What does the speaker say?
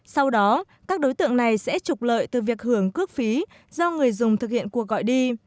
sau đó các đối tượng này sẽ trục lợi từ việc hưởng cước phí do người dùng thực hiện cuộc gọi đi